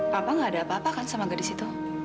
papa nggak ada apa apa kan sama gadis itu